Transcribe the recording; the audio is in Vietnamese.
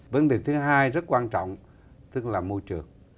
vấn đề thứ hai rất quan trọng tức là môi trường